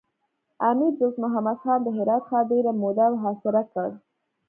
امیر دوست محمد خان د هرات ښار ډېره موده محاصره کړ.